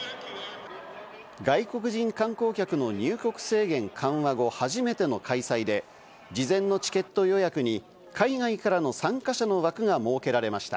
外国人観光客の入国制限緩和後、初めての開催で、事前のチケット予約に海外からの参加者の枠が設けられました。